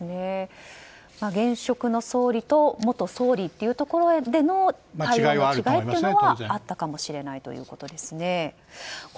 現職の総理と元総理というところでの対応の違いというのはあったのかもしれないということですね。